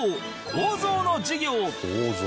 構造の授業